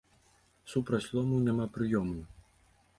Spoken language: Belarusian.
Супраць лому няма прыёму!